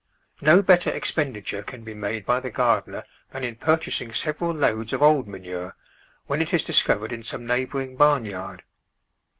No better expenditure can be made by the gardener than in purchasing several loads of old manure, when it is discovered in some neigh bouring barn yard.